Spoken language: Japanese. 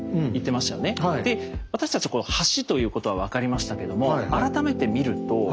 で私たちこの「橋」ということは分かりましたけども改めて見るとあ！